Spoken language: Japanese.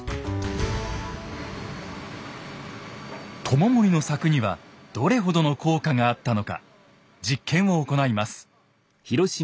知盛の策にはどれほどの効果があったのか実験を行います。